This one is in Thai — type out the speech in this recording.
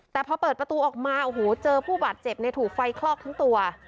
แต่พอเปิดประตูออกมาโอ้โหเจอผู้บาดเจ็บถูกไฟคลอกทั้งตัว